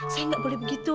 saya ga boleh begitu